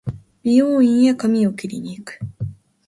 美容院へ髪を切りに行く